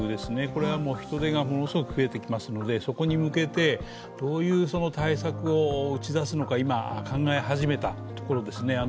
これは人出がものすごく増えてきますのでそこに向けてどういう対策を打ち出すのか、今、考え始めたところですね。